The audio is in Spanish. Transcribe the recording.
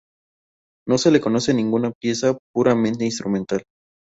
No se le conoce ninguna pieza puramente instrumental.